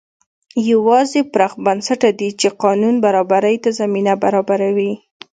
یوازې پراخ بنسټه دي چې قانون برابرۍ ته زمینه برابروي.